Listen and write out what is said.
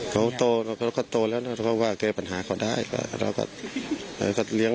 เขาโตแล้วก็โตแล้วแล้วก็ว่าว่าเจปัญหาเขาได้เราก็เรียง